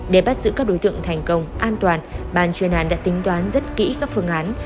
để bắt giữ các đối tượng thành công an toàn bàn chuyên án đã tính toán rất kỹ các phương án